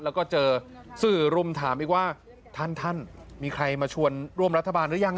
แล้วก็เจอสื่อรุมถามอีกว่าท่านท่านมีใครมาชวนร่วมรัฐบาลหรือยัง